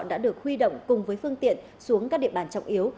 đã được huy động cùng với phương tiện xuống các địa bàn trọng yếu